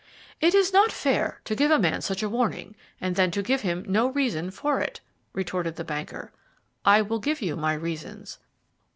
"It is not fair to give a man such a warning, and then to give him no reason for it," retorted the banker. "I will give you my reasons."